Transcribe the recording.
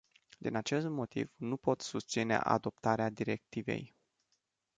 Din acest motiv, nu pot susține adoptarea directivei.